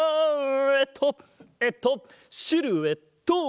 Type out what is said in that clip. えっとえっとシルエット！